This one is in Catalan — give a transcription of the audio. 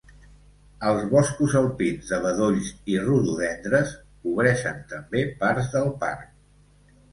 Els boscos alpins de bedolls i rododendres cobreixen també parts del parc.